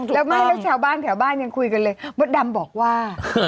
แล้วเฉาบ้านอย่างนี้ก็คุยกันเลยมดดั้มบอกว่า